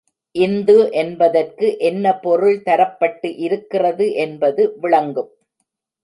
இந்து என்பதற்கு என்ன பொருள் தரப்பட்டு இருக்கிறது என்பது விளங்கும்.